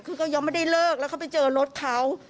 คือก็ยังไม่ได้เลิกแล้วเขาไปเจอรถเขา